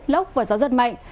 lốc và gió rất mạnh